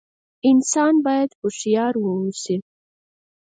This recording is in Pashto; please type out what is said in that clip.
انسان بايد هوښيار ووسي